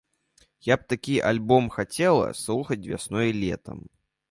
Я б такі альбом хацела слухаць вясной і летам.